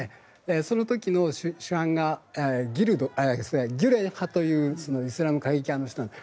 その時の主犯がギュレン派というイスラム過激派の人なんです。